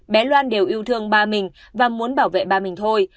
bé loan đều yêu thương ba mình và muốn bảo vệ ba mình thôi